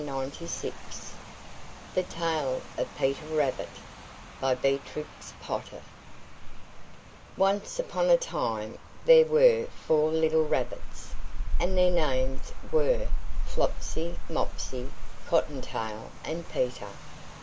THE TALE OF PETER RABBIT BY BEATRIX POTTER Once upon a time there were four little Rabbits, and their names were Flopsy, Mopsy, Cotton Tail, and Peter.